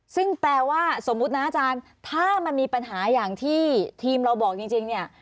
ซึ่งแปลว่าสมมุตินะอาจารย์ถ้ามันมีปัญหาอย่างที่ทีมเราบอกจริงเนี่ย